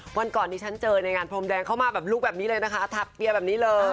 วันก่อนที่ฉันเจอในงานพรมแดงเข้ามาแบบลูกแบบนี้เลยนะคะถักเปียร์แบบนี้เลย